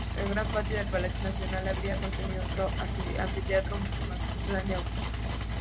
El gran patio del Palacio nacional habría contenido otro anfiteatro mucho más grande aún.